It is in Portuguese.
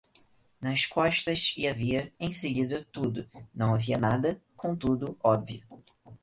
nas costas, e havia, em seguida, tudo, não havia nada, conteúdo, óbvio